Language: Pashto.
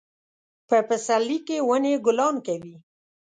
په پسرلي کې ونې ګلان کوي